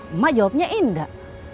emak jawabnya enggak